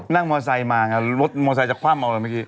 นั่งมอเตอร์ไซค์มารถมอเตอร์ไซค์จากความออกมาเมื่อกี้